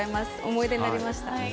思い出になりました。